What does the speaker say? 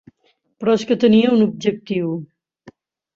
Però és que tenia un objectiu.